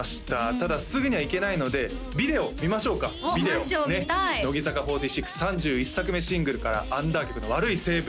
ただすぐには行けないのでビデオを見ましょうかビデオねっ乃木坂４６３１作目シングルからアンダー曲の「悪い成分」